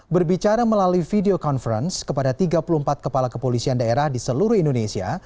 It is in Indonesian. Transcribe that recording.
berbicara melalui video conference kepada tiga puluh empat kepala kepolisian daerah di seluruh indonesia